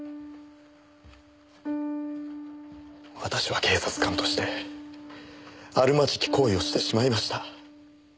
私は警察官としてあるまじき行為をしてしまいました。